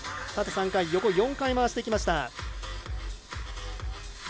縦３回、横４回回していきました。